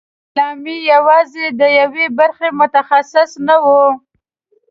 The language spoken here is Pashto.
علامه یوازې د یوې برخې متخصص نه وي.